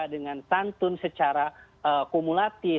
dengan tantun secara kumulatif